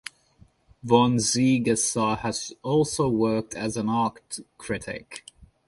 Von Ziegesar has also worked as an art critic.